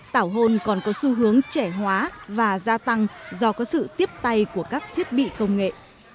tảo hôn còn có xu hướng trẻ hóa và gia tăng do có sự tiếp tay của các thiết bị công nghệ